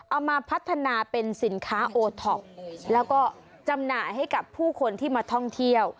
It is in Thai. เอามาพัฒนาเป็นสินค้าโอท็อปแล้วก็จำหน่ายให้กับผู้คนที่มาท่องเที่ยว